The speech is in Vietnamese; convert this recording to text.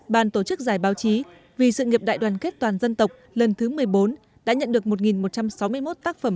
bàn tổ chức giải báo chí vì sự nghiệp đại đoàn kết toàn dân tộc lần thứ một mươi bốn đã nhận được một một trăm sáu mươi một tác phẩm